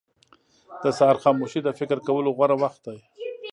• د سهار خاموشي د فکر کولو غوره وخت دی.